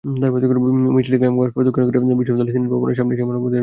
মিছিলটি ক্যাম্পাস প্রদক্ষিণ করে বিশ্ববিদ্যালয়ের সিনেট ভবনের সামনে এসে মানববন্ধনে মিলিত হয়।